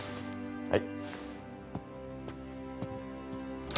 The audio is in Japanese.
はい。